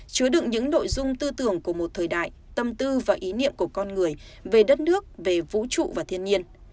chứa đựng những nội dung tư tưởng của một thời đại tâm tư và ý niệm của con người về đất nước về vũ trụ và thiên nhiên